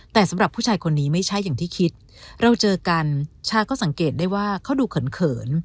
แต่สำหรับผู้ชายคนนี้ไม่ใช่อย่างที่คิดเราเจอกันชาก็สังเกตได้ว่าเขาดูเขินเขิน